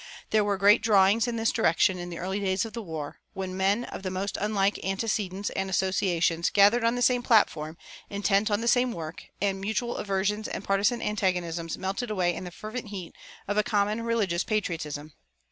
There were great drawings in this direction in the early days of the war, when men of the most unlike antecedents and associations gathered on the same platform, intent on the same work, and mutual aversions and partisan antagonisms melted away in the fervent heat of a common religious patriotism.